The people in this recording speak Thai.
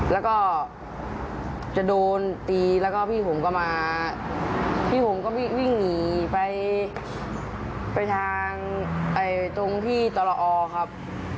แล้วก็จะโดนตีแล้วก็พี่ผมก็มาพี่ผมก็วิ่งหนีไปไปทางตรงที่ตรอครับ